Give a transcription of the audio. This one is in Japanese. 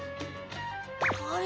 あれ？